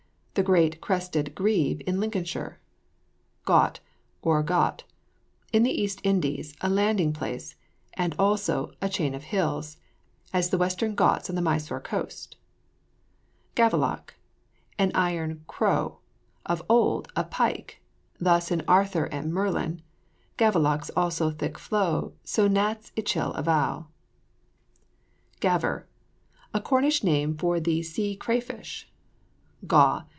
The great crested grebe in Lincolnshire. GAUT, OR GHAUT. In the East Indies, a landing place; and also a chain of hills, as the Western Gauts, on the Mysore coast. GAVELOCK. An iron crow. Of old, a pike; thus in Arthur and Merlin "Gavelokes also thicke flowe So gnattes, ichil avowe." GAVER. A Cornish name for the sea cray fish. GAW.